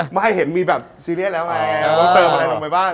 ไม่ให้เห็นมีแบบซีเรียสแล้วไงต้องเติมอะไรลงไปบ้าง